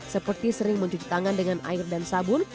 seperti sering mencuci tangan dengan air dan sabun